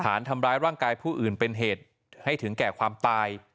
ฐานทำร้ายร่างกายผู้อื่นเป็นเหตุให้ถึงแก่ความตาย